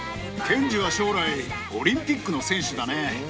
剣侍は将来、オリンピックの選手だね。